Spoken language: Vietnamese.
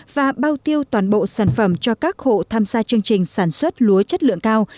và bao tiêu toàn bộ sản phẩm cho các hộ tham gia chương trình sản xuất lúa chất lượng cao